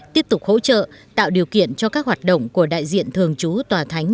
tiếp tục hỗ trợ tạo điều kiện cho các hoạt động của đại diện thường trú tòa thánh